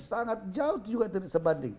sangat jauh juga tidak sebanding